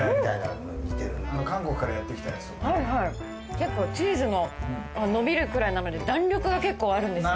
結構チーズも伸びるくらいなので弾力が結構あるんですよ。